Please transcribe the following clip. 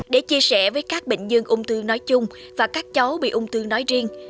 để chia sẻ với các bệnh nhân ung thư nói chung và các cháu bị ung thư nói riêng